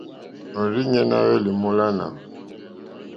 Òrzìɲɛ́ ná hwɛ́lɛ̀ èmólánà.